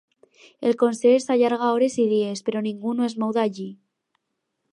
El concert s'allarga hores i dies, però ningú no es mou d'allí.